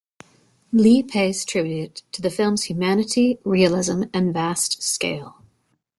Leigh pays tribute to the film's humanity, realism, and vast scale.